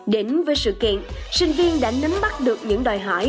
đến với sự kiện sinh viên đã nắm bắt được những đòi hỏi